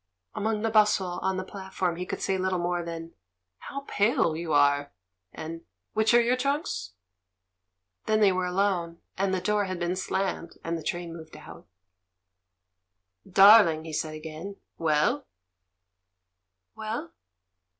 Among the bustle on the platform he could say little more than, "Plow pale you are!" and "Which are your trunks?" Then they were alone, and the door had been slammed, and the train moved out. 254 THE MAN WHO UNDERSTOOD WOMEN "Darling!" he said again. "WeU?" "Well?"